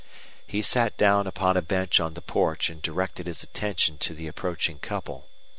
He sat down upon a bench on the porch and directed his attention to the approaching couple.